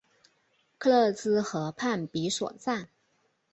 克勒兹河畔比索站。